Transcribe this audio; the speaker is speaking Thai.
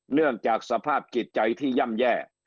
เนื่องจากสภาพจิตใจที่ย่ำแย่